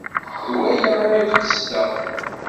D waya ay d-qesdeɣ.